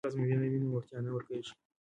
که ازموینه وي نو وړتیا نه ورکیږي.